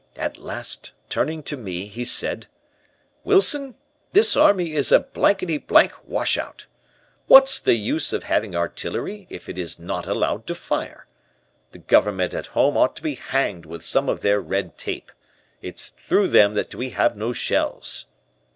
At last, turning to me, he said: "'Wilson, this army is a blankety blank washout. What's the use of having artillery if it is not allowed to fire? The government at home ought to be hanged with some of their red tape. It's through them that we have no shells!'